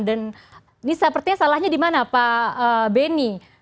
dan ini sepertinya salahnya di mana pak beni